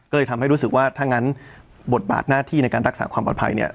ก็เลยทำให้รู้สึกว่าถ้างั้นบทบาทหน้าที่ในการรักษาความปลอดภัยเนี่ย